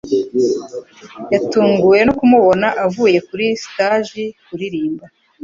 yatunguwe no kumubona avuye kuri sitaji kuririmba